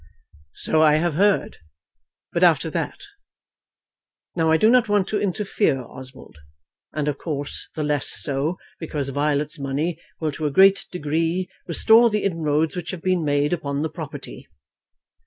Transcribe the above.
"So I have heard; but after that. Now I do not want to interfere, Oswald, and of course the less so, because Violet's money will to a great degree restore the inroads which have been made upon the property."